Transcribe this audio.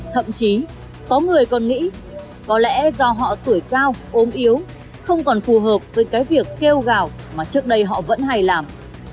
thậm chí có người còn nghĩ có lẽ do họ tuổi cao ốm yếu không còn phù hợp với cái việc kêu gào mà trước đây họ vẫn hay làm